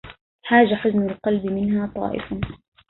هاج حزن القلب منها طائف